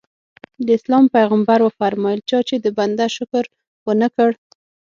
د اسلام پیغمبر وفرمایل چا چې د بنده شکر ونه کړ.